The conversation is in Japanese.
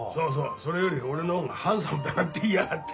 それより俺の方がハンサムだなんて言いやがって。